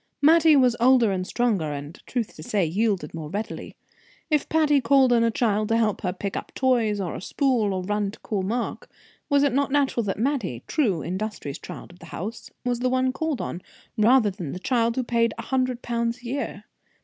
Mattie was older and stronger, and, truth to say, yielded more readily. If Patty called on a child to help her, to pick up toys, or a spool, or run to call Mark, was it not natural that Mattie, true, industrious child of the house, was the one called on, rather than the child who paid a hundred pounds a year?